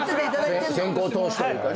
先行投資というかね。